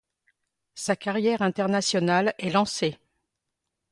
Sa carrière internationale est lancée.